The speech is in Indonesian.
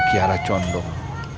ke kiara condong